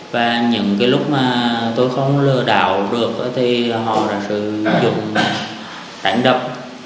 và những cái lúc mà tôi không lừa đảo được thì họ đã sử dụng đánh đập